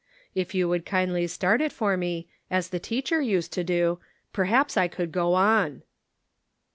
If you would kindly start it for me, as the teacher used to do, perhaps I could go on."